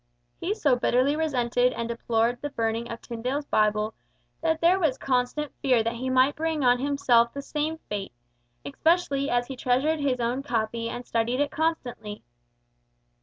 He so bitterly resented and deplored the burning of Tindal's Bible that there was constant fear that he might bring on himself the same fate, especially as he treasured his own copy and studied it constantly.